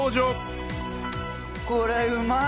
これうまっ！